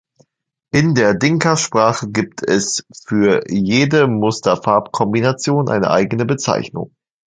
In der Dinka-Sprache gibt es für jede Muster-Farb-Kombination eine eigene Bezeichnung.